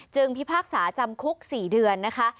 พิพากษาจำคุก๔เดือนนะคะ